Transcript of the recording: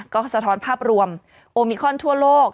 ก็สะท้อนภาพรวมโอมิคอนทั่วโลก